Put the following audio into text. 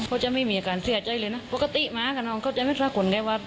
เขาจะไม่มีอาการเสียใจเลยนะปกติหมากับน้องเขาจะไม่ทราบคนได้ว่า